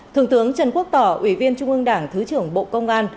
thượng tướng trần quốc tỏ ủy viên trung ương đảng thứ trưởng bộ công an